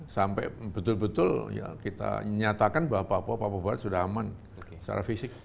sampai betul betul ya kita nyatakan bahwa papua papua barat sudah aman secara fisik